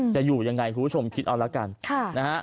จะอยู่ยังไงคุณผู้ชมคิดเอาละกันนะฮะ